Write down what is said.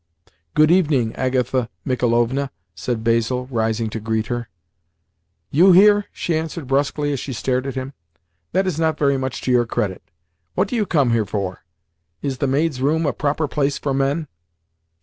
"Good evening, Agatha Michaelovna," said Basil, rising to greet her. "You here?" she answered brusquely as she stared at him, "That is not very much to your credit. What do you come here for? Is the maids' room a proper place for men?"